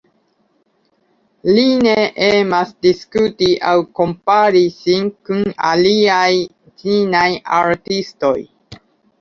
Li ne emas diskuti aŭ kompari sin kun aliaj ĉinaj artistoj.